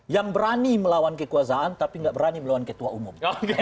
yang berani melawan kekuasaan tapi nggak berani melawan ketua umum